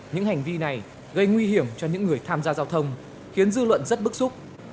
những hành vi này gây nguy hiểm cho những người tham gia giao thông khiến dư luận rất bức xúc